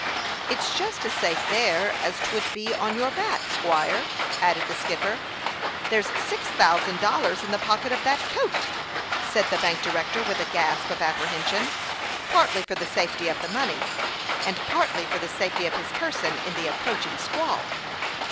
" It's just as safe there as 'twould be on your back, squire," added the skipper. " There's six thousand dollars in the pocket of that coat," said the bank director, with a gasp of apprehension, partly for the safety of the money, and partly for the safety of his person in the ap proaching squall.